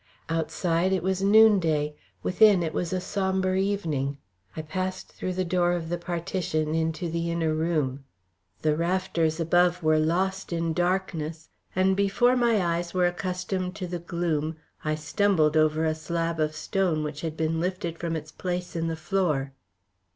Outside it was noonday, within it was a sombre evening. I passed through the door of the partition into the inner room. The rafters above were lost in darkness, and before my eyes were accustomed to the gloom I stumbled over a slab of stone which had been lifted from its place in the floor.